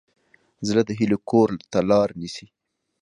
زړه د هیلو کور ته لار نیسي.